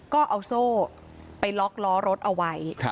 ก็เอาโซ่ไปล็อกล้อรถเอาไว้